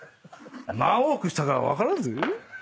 何往復したか分からんぜ。